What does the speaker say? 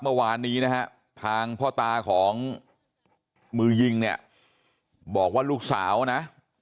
เมื่อวานนี้นะฮะทางพ่อตาของมือยิงเนี่ยบอกว่าลูกสาวนะ